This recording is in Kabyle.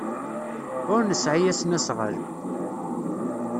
Ur nesɛi asnasɣal.